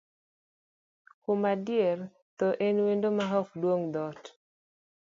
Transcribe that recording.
Kuom adier, thoo en wendo ma ok duong' dhoot.